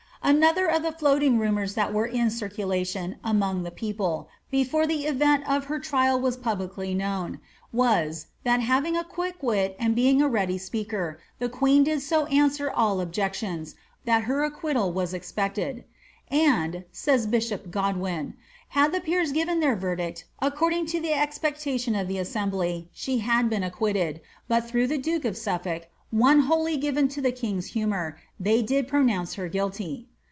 Aaother of the fiuating rumours that were in circulation among the peo ple, before the event of her trial was publicly known, was, that having a quick wit and being a ready speaker, the queen did so answer all oIk j^^iions, that her acquittal was expected ;'^ And," says bishop Godwin, had the peers given their verdict according to the expectation of the assembly, she had been acquitted, but through the duke of Suflblk, one wholly given to the king's humour, they did pronounce her guilty."